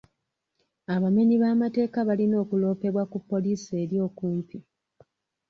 Abamenyi b'amateeka balina okuloopebwa ku poliisi eri okumpi.